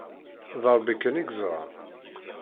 D Rebbi kan i yeẓran.